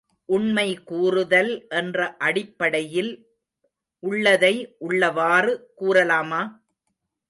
உண்மை கூறுதல் என்ற அடிப்படையில் உள்ளதை உள்ளவாறு கூறலாமா?